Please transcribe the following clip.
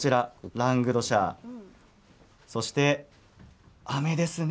ラングドシャそしてあめですね。